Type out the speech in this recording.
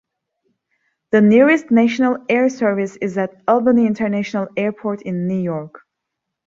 The nearest national air service is at Albany International Airport in New York.